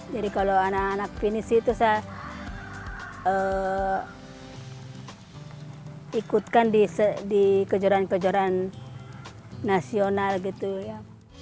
jadi kalau anak anak finish itu saya ikutkan di kejualan kejualan nasional gitu ya